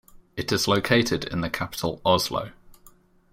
It is located in the capital Oslo.